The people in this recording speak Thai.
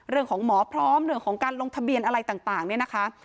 หมอพร้อมเรื่องของการลงทะเบียนอะไรต่างเนี่ยนะคะ